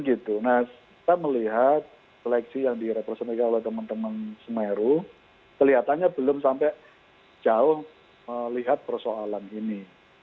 kita melihat seleksi yang direpresentasikan oleh teman teman semeru kelihatannya belum sampai jauh melihat persoalan ini